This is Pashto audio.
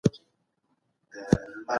زه به سبا کتابتون ته ولاړ سم.